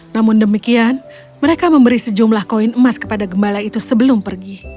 namun demikian mereka memberi sejumlah koin emas kepada gembala itu sebelum pergi